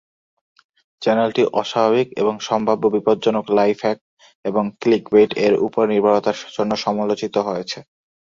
চ্যানেলটি অস্বাভাবিক এবং সম্ভাব্য বিপজ্জনক "লাইফ-হ্যাক" এবং "ক্লিকবেইট"-এর উপর নির্ভরতার জন্য সমালোচিত হয়েছে।